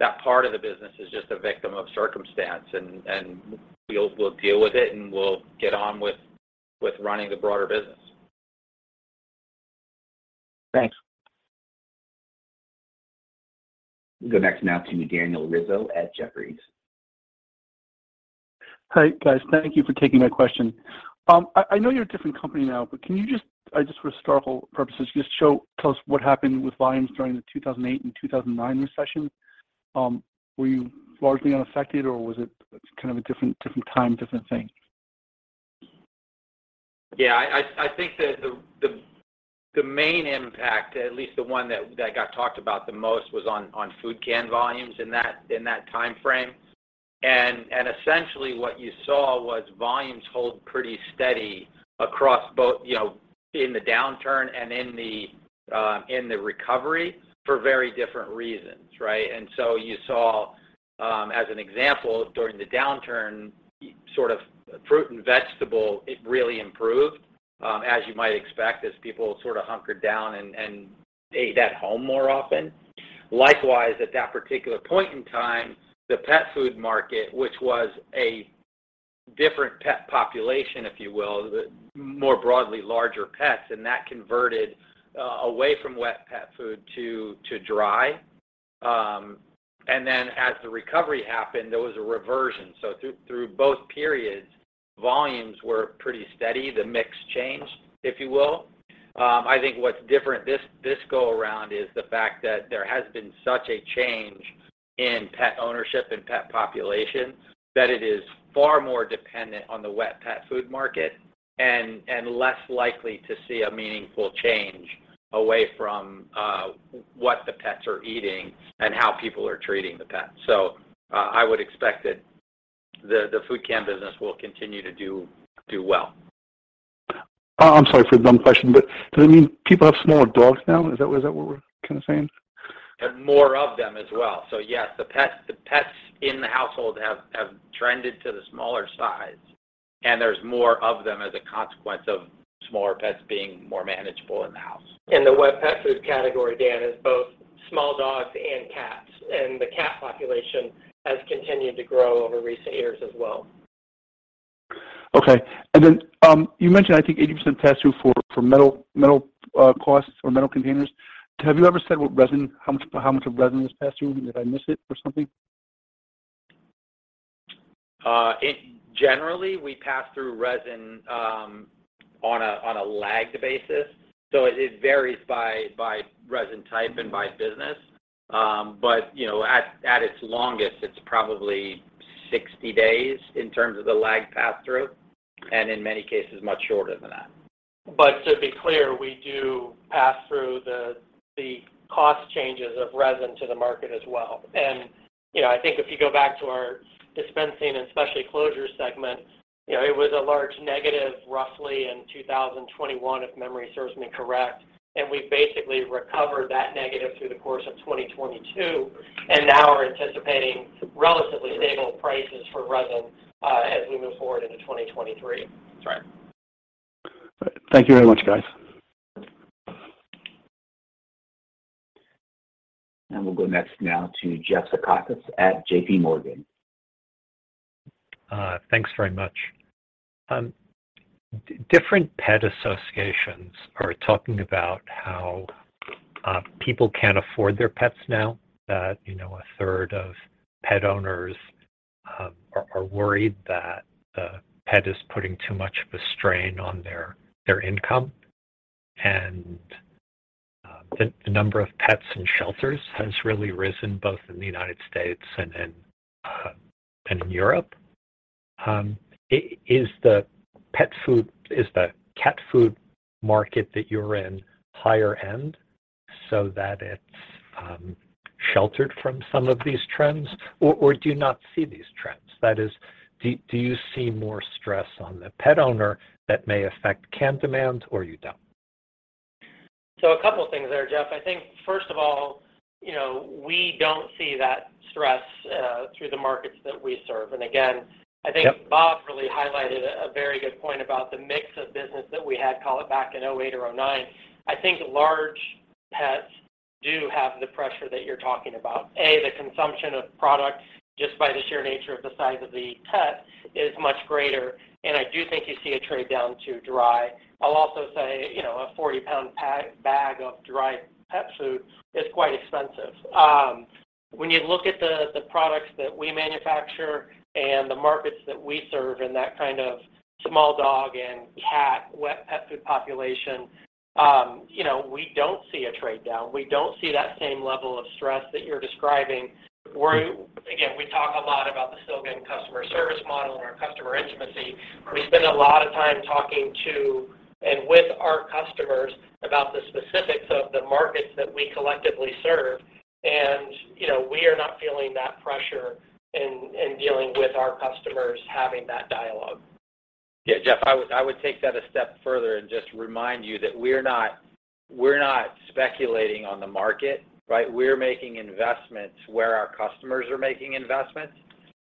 Speaker 3: That part of the business is just a victim of circumstance, and we'll deal with it, and we'll get on with running the broader business.
Speaker 11: Thanks.
Speaker 1: We'll go next now to Daniel Rizzo at Jefferies.
Speaker 12: Hi guys. Thank you for taking my question. I know you're a different company now, but can you just for historical purposes, tell us what happened with volumes during the 2008 and 2009 recession. Were you largely unaffected or was it kind of a different time, different thing?
Speaker 4: Yeah, I think that the main impact, at least the one that got talked about the most was on food can volumes in that time frame. Essentially what you saw was volumes hold pretty steady across both, you know, in the downturn and in the recovery for very different reasons, right? You saw, as an example, during the downturn, sort of fruit and vegetable, it really improved, as you might expect as people sort of hunkered down and ate at home more often. Likewise, at that particular point in time, the pet food market, which was a different pet population, if you will, the more broadly larger pets, and that converted away from wet pet food to dry. As the recovery happened, there was a reversion. Through both periods, volumes were pretty steady. The mix changed, if you will. I think what's different this go around is the fact that there has been such a change in pet ownership and pet population that it is far more dependent on the wet pet food market and less likely to see a meaningful change away from what the pets are eating and how people are treating the pets. I would expect that the food can business will continue to do well.
Speaker 12: I'm sorry for a dumb question. Does it mean people have smaller dogs now? Is that what we're kinda saying?
Speaker 4: More of them as well. Yes, the pets in the household have trended to the smaller size and there's more of them as a consequence of smaller pets being more manageable in the house.
Speaker 3: The wet pet food category, Dan, is both small dogs and cats and the cat population has continued to grow over recent years as well.
Speaker 12: Okay. You mentioned I think 80% pass through for metal costs or Metal Containers. Have you ever said what resin, how much of resin was passed through? Did I miss it or something?
Speaker 4: Generally, we pass through resin, on a lagged basis. It varies by resin type and by business. You know, at its longest it's probably 60 days in terms of the lag pass through and in many cases much shorter than that.
Speaker 3: To be clear, we do pass through the cost changes of resin to the market as well. You know, I think if you go back to our Dispensing and Specialty Closures segment, you know, it was a large negative roughly in 2021 if memory serves me correct. We basically recovered that negative through the course of 2022 and now are anticipating relatively stable prices for resin as we move forward into 2023.
Speaker 4: That's right.
Speaker 12: Thank you very much guys.
Speaker 1: We'll go next now to Jeff Zekauskas at JP Morgan.
Speaker 13: Thanks very much. Different pet associations are talking about how people can't afford their pets now, that, you know, a third of pet owners are worried that the pet is putting too much of a strain on their income. The number of pets in shelters has really risen both in the United States and in Europe. Is the cat food market that you're in higher end so that it's sheltered from some of these trends or do you not see these trends? That is, do you see more stress on the pet owner that may affect can demand or you don't?
Speaker 3: A couple things there, Jeff. I think first of all, you know, we don't see that stress through the markets that we serve.
Speaker 13: Yep
Speaker 3: I think Bob really highlighted a very good point about the mix of business that we had call it back in 2008 or 2009. I think large pets do have the pressure that you're talking about. The consumption of product just by the sheer nature of the size of the pet is much greater and I do think you see a trade down to dry. I'll also say, you know, a 40 pound bag of dry pet food is quite expensive. When you look at the products that we manufacture and the markets that we serve and that kind of small dog and cat wet pet food population, you know, we don't see a trade down. We don't see that same level of stress that you're describing. Again, we talk a lot about the Silgan customer service model and our customer intimacy. We spend a lot of time talking to and with our customers about the specifics of the markets that we collectively serve, you know, we are not feeling that pressure in dealing with our customers having that dialogue.
Speaker 4: Yeah, Jeff, I would take that a step further and just remind you that we're not speculating on the market, right? We're making investments where our customers are making investments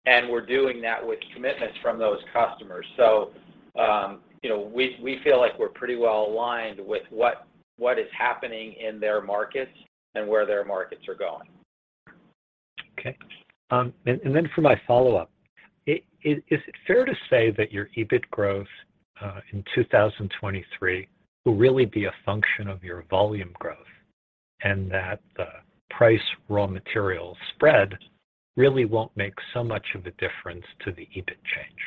Speaker 4: and we're doing that with commitments from those customers. You know, we feel like we're pretty well aligned with what is happening in their markets and where their markets are going.
Speaker 13: Okay. For my follow-up, is it fair to say that your EBIT growth, in 2023 will really be a function of your volume growth, and that the price raw material spread really won't make so much of a difference to the EBIT change?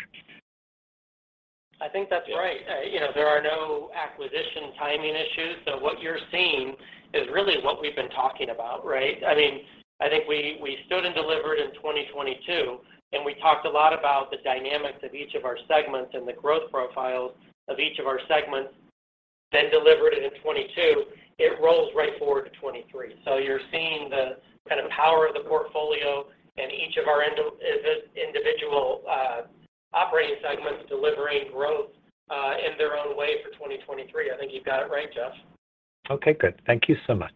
Speaker 3: I think that's right. you know, there are no acquisition timing issues. What you're seeing is really what we've been talking about, right? I mean, I think we stood and delivered in 2022. We talked a lot about the dynamics of each of our segments and the growth profiles of each of our segments, then delivered it in 2022. It rolls right forward to 2023. You're seeing the kind of power of the portfolio in each of our individual operating segments delivering growth in their own way for 2023. I think you've got it right, Jeff.
Speaker 13: Okay. Good. Thank you so much.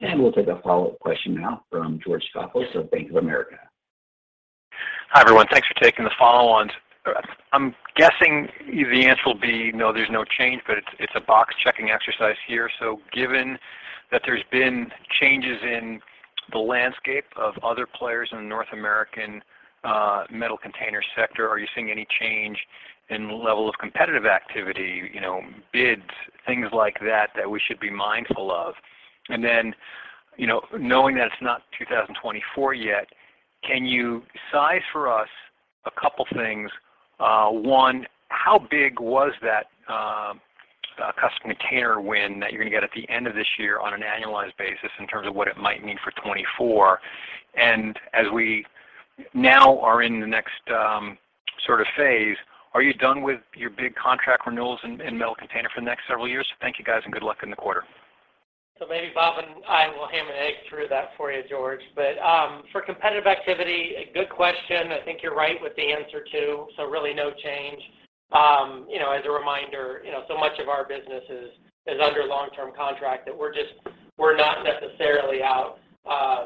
Speaker 1: We'll take a follow-up question now from George Staphos of Bank of America.
Speaker 7: Hi, everyone. Thanks for taking the follow on. I'm guessing the answer will be no, there's no change. It's a box-checking exercise here. Given that there's been changes in the landscape of other players in the North American Metal Containers sector, are you seeing any change in the level of competitive activity, you know, bids, things like that we should be mindful of? You know, knowing that it's not 2024 yet, can you size for us a couple things? One, how big was that customer care win that you're going to get at the end of this year on an annualized basis in terms of what it might mean for 2024? As we now are in the next, sort of phase, are you done with your big contract renewals in Metal Containers for the next several years? Thank you, guys, and good luck in the quarter.
Speaker 3: Maybe Bob and I will ham and egg through that for you, George. For competitive activity, a good question. I think you're right with the answer, too. Really no change. You know, as a reminder, you know, so much of our business is under long-term contract that we're not necessarily out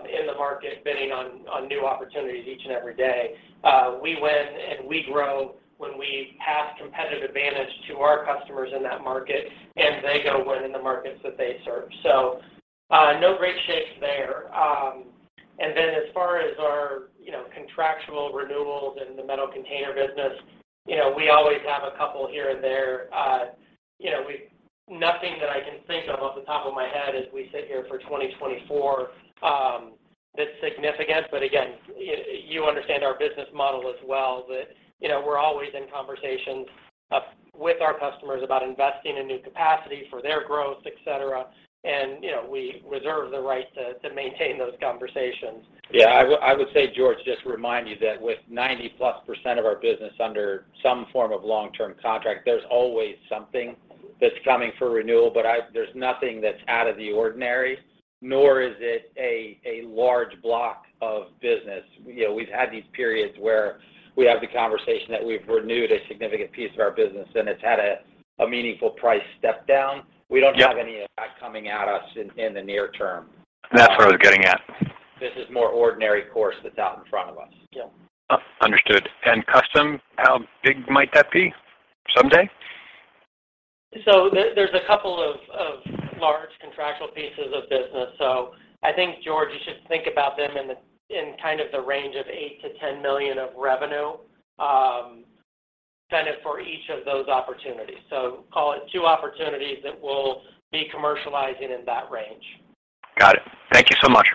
Speaker 3: in the market bidding on new opportunities each and every day. We win and we grow when we pass competitive advantage to our customers in that market, and they go win in the markets that they serve. No great shakes there. As far as our, you know, contractual renewals in the Metal Containers business, you know, we always have a couple here and there. you know, nothing that I can think of off the top of my head as we sit here for 2024, that's significant. Again, you understand our business model as well, that, you know, we're always in conversations with our customers about investing in new capacity for their growth, et cetera. you know, we reserve the right to maintain those conversations.
Speaker 4: I would say, George, just to remind you that with 90-plus% of our business under some form of long-term contract, there's always something that's coming for renewal. There's nothing that's out of the ordinary, nor is it a large block of business. You know, we've had these periods where we have the conversation that we've renewed a significant piece of our business, and it's had a meaningful price step down.
Speaker 7: Yeah.
Speaker 4: We don't have any of that coming at us in the near term.
Speaker 7: That's what I was getting at.
Speaker 4: This is more ordinary course that's out in front of us.
Speaker 3: Yeah.
Speaker 7: Understood. Custom, how big might that be someday?
Speaker 3: There's a couple of large contractual pieces of business. I think, George, you should think about them in kind of the range of 8 million-10 million of revenue, spend it for each of those opportunities. Call it two opportunities that we'll be commercializing in that range.
Speaker 7: Got it. Thank you so much.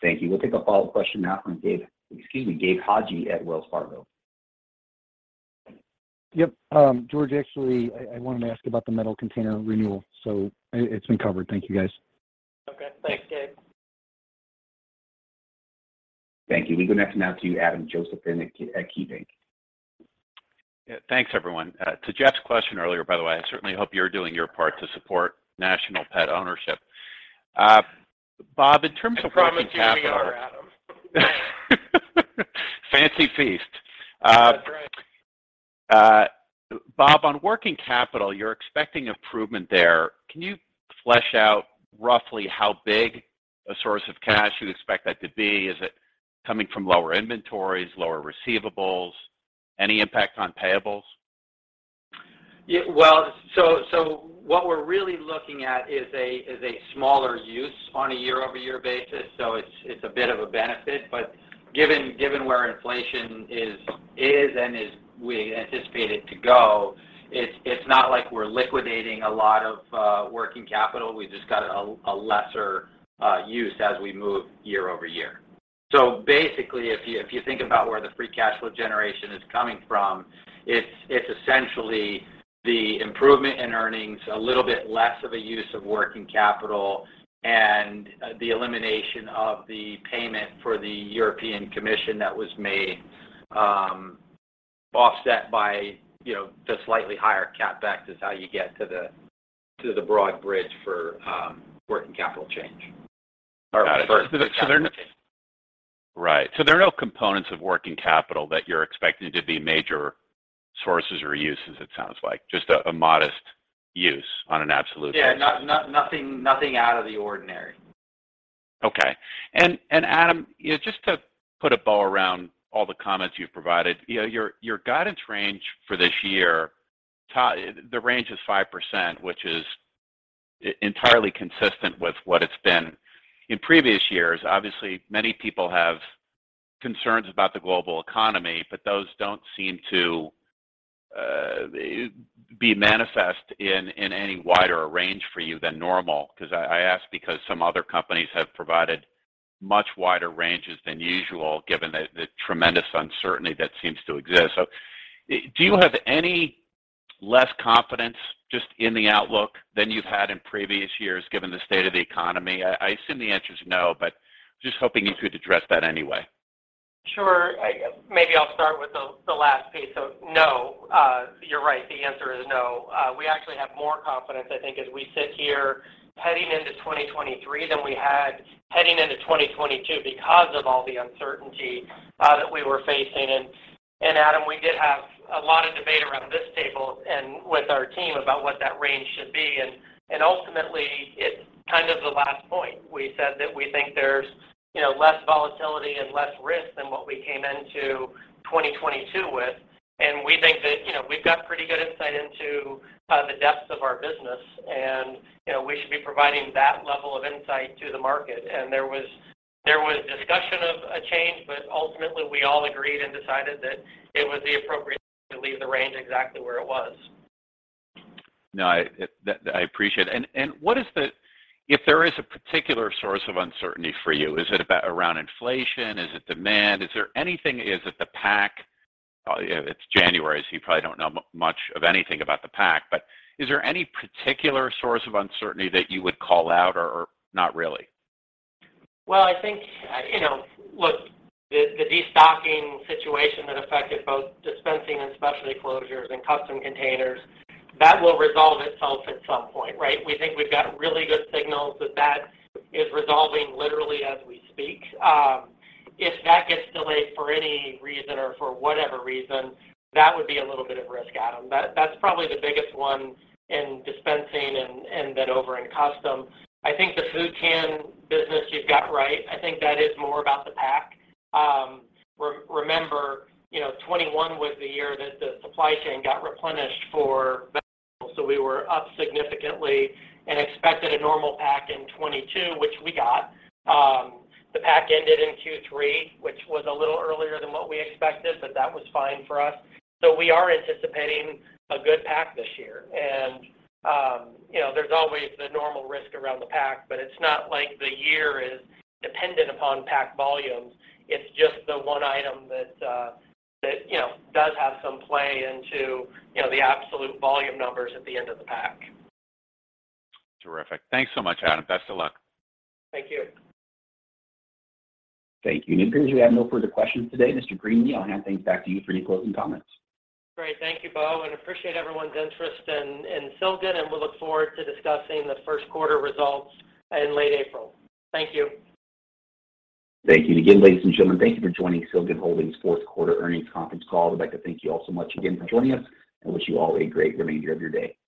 Speaker 1: Thank you. We'll take a follow-up question now from, excuse me, Gabe Hajde at Wells Fargo.
Speaker 8: Yep. George, actually, I wanted to ask about the Metal Containers renewal. It's been covered. Thank you, guys.
Speaker 3: Okay. Thanks, Gabe.
Speaker 1: Thank you. We go next now to Adam Josephson at KeyBank.
Speaker 5: Yeah. Thanks, everyone. To Jeff's question earlier, by the way, I certainly hope you're doing your part to support national pet ownership. Bob, in terms of working capital.
Speaker 3: I promise you we are, Adam.
Speaker 5: Fancy Feast.
Speaker 3: That's right.
Speaker 5: Bob, on working capital, you're expecting improvement there. Can you flesh out roughly how big a source of cash you expect that to be? Is it coming from lower inventories, lower receivables? Any impact on payables?
Speaker 4: Well, so what we're really looking at is a smaller use on a year-over-year basis. It's a bit of a benefit. Given where inflation is and we anticipate it to go, it's not like we're liquidating a lot of working capital. We've just got a lesser use as we move year-over-year. Basically, if you think about where the Free Cash Flow generation is coming from, it's essentially the improvement in earnings, a little bit less of a use of working capital, and the elimination of the payment for the European Commission that was made, offset by, you know, the slightly higher CapEx is how you get to the broad bridge for working capital change-
Speaker 5: Got it.
Speaker 4: For the cash application.
Speaker 5: Right. There are no components of working capital that you're expecting to be major sources or uses, it sounds like, just a modest use on an absolute basis.
Speaker 4: Yeah. Nothing, nothing out of the ordinary.
Speaker 5: Okay. Adam, you know, just to put a bow around all the comments you've provided, you know, your guidance range for this year, the range is 5%, which is entirely consistent with what it's been in previous years. Obviously, many people have concerns about the global economy, those don't seem to be manifest in any wider range for you than normal. 'Cause I ask because some other companies have provided much wider ranges than usual given the tremendous uncertainty that seems to exist. Do you have any less confidence just in the outlook than you've had in previous years, given the state of the economy? I assume the answer is no, just hoping you could address that anyway.
Speaker 3: Sure. Maybe I'll start with the last piece. No, you're right. The answer is no. We actually have more confidence, I think, as we sit here heading into 2023 than we had heading into 2022 because of all the uncertainty that we were facing. Adam, we did have a lot of debate around this table and with our team about what that range should be. Ultimately, it's kind of the last point. We said that we think there's, you know, less volatility and less risk than what we came into 2022 with. We think that, you know, we've got pretty good insight into the depths of our business and, you know, we should be providing that level of insight to the market. There was discussion of a change, but ultimately, we all agreed and decided that it was the appropriate thing to leave the range exactly where it was.
Speaker 5: No, that, I appreciate. If there is a particular source of uncertainty for you, is it about around inflation? Is it demand? Is there anything? Is it the pack? It's January, you probably don't know much of anything about the pack. Is there any particular source of uncertainty that you would call out or not really?
Speaker 3: Well, I think, you know, look, the destocking situation that affected both Dispensing and Specialty Closures and Custom Containers, that will resolve itself at some point, right? We think we've got really good signals that that is resolving literally as we speak. If that gets delayed for any reason or for whatever reason, that would be a little bit of risk, Adam. That's probably the biggest one in dispensing and then over in custom. I think the food can business you've got right. I think that is more about the pack. remember, you know, 2021 was the year that the supply chain got replenished for
Speaker 5: Mm-hmm.
Speaker 3: We were up significantly and expected a normal pack in 22, which we got. The pack ended in Q3, which was a little earlier than what we expected, but that was fine for us. We are anticipating a good pack this year. You know, there's always the normal risk around the pack, but it's not like the year is dependent upon pack volumes. It's just the one item that, you know, does have some play into, you know, the absolute volume numbers at the end of the pack.
Speaker 5: Terrific. Thanks so much, Adam. Best of luck.
Speaker 3: Thank you.
Speaker 1: Thank you. It appears we have no further questions today. Adam Greenlee, I'll hand things back to you for any closing comments.
Speaker 3: Great. Thank you, Bo, and appreciate everyone's interest in Silgan, and we'll look forward to discussing the first quarter results in late April. Thank you.
Speaker 1: Thank you again, ladies and gentlemen. Thank you for joining Silgan Holdings' fourth quarter earnings conference call. I'd like to thank you all so much again for joining us and wish you all a great remainder of your day. Thank you.